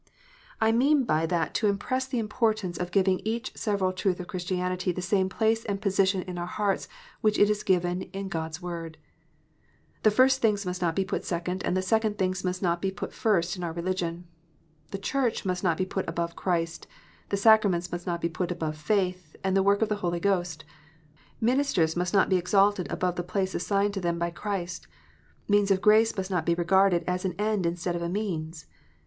I mean by that 344 KNOTS UNTIED. to impress the importance of giving each several truth of Christianity the same place and position in our hearts which is given to it in God s Word. The first things must not be put second, and the second things must not be put first in our religion. The Church must not be put above Christ ; the sacraments must not be put above faith and the work of the Holy Ghost. Ministers must not be exalted above the place assigned to them by Christ ; means of grace must not be regarded as an end instead of a means.